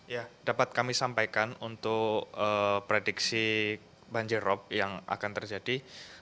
ya dapat kami sampaikan untuk prediksi banjirop yang akan terjadi